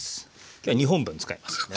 今日は２本分使いますんでね。